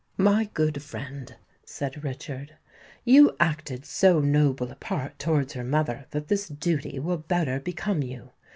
"My good friend," said Richard, "you acted so noble a part towards her mother that this duty will better become you.